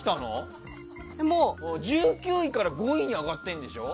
１９位から５位に上がってるんでしょ。